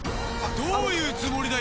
どういうつもりだ？